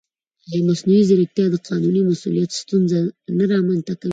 ایا مصنوعي ځیرکتیا د قانوني مسؤلیت ستونزه نه رامنځته کوي؟